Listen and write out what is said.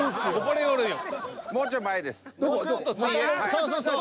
そうそうそう。